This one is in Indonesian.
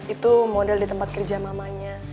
itu model di tempat kerja mamanya